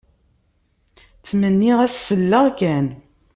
Ttmenniɣ ad as-selleɣ kan.